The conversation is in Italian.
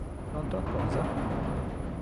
Pronto a cosa?!